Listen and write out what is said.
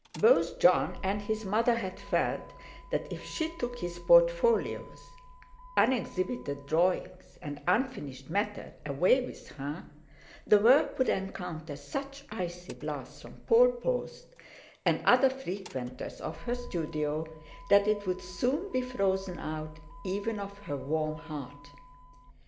Both Jon and his mother had felt that if she took his portfolios, unexhibited drawings and unfinished matter, away with her, the work would encounter such icy blasts from Paul Post and other frequenters of her studio, that it would soon be frozen out even of her warm heart.